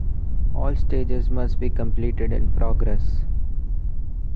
All stages must be completed in progress.